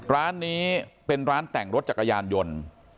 ร้านนี้เป็นร้านแต่งรถจักรยานยนต์